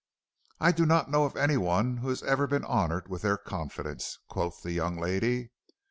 "'I do not know of any one who has ever been honored with their confidence,' quoth the young lady.